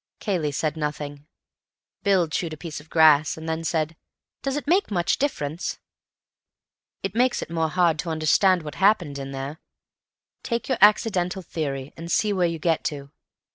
Cayley said nothing. Bill chewed a piece of grass, and then said, "Does it make much difference?" "It makes it more hard to understand what happened in there. Take your accidental theory and see where you get to.